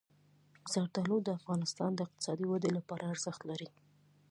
زردالو د افغانستان د اقتصادي ودې لپاره ارزښت لري.